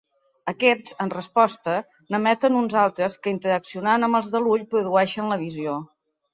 Aquests, en resposta, n'emeten uns altres que, interaccionant amb els de l'ull produeixen la visió.